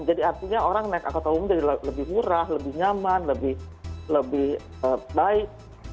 jadi artinya orang naik angkutan umum jadi lebih murah lebih nyaman lebih baik